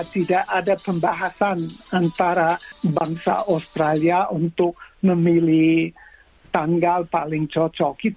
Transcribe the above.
tidak ada pembahasan antara bangsa australia untuk memilih tanggal paling cocok